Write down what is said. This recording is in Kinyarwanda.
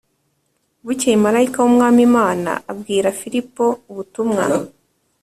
Bukeye marayika w’Umwami Imana abwira Filipo ubutumwa